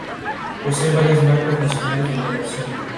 Posee varias marcas nacionales de Natación.